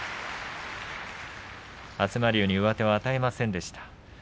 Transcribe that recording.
東龍に上手を与えませんでした。